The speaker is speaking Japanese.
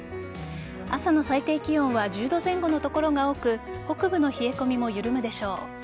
朝の最低気温は１０度前後の所が多く北部の冷え込みも緩むでしょう。